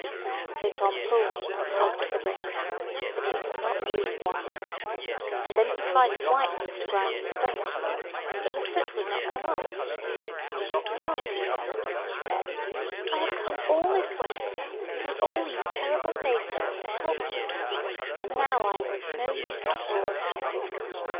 So Tom pulled and tugged at the bricks: but he could not move one. And then he tried to wipe Mr. Grimes' face: but the soot would not come off. "Oh, dear!" he said. "I have come all this way, through all these terrible places, to help you, and now I am of no use at all."